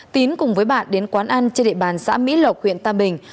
tín cùng với bạn đến quán ăn trên địa bàn xã mỹ lộc huyện tam bình